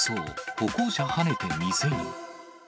歩行者はねて店に。